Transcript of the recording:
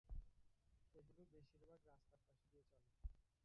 এগুলো বেশির ভাগ রাস্তার পাশে দিয়ে চলে।